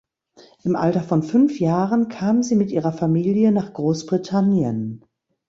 Im Alter von fünf Jahren kam sie mit ihrer Familie nach Großbritannien.